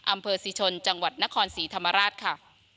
อำเภอศรีชนจังหวัดนครศรีธรรมราชค่ะ